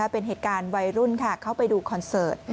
เป็นเหตุการณ์วัยรุ่นเข้าไปดูคอนเสิร์ต